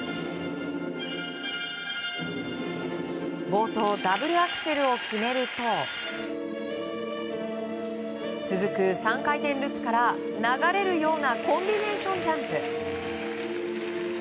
冒頭、ダブルアクセルを決めると続く３回転ルッツから流れるようなコンビネーションジャンプ。